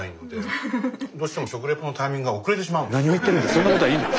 そんなことはいいんだ。